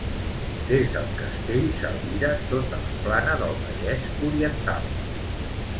Des del castell s'albira tota la plana del Vallès Oriental.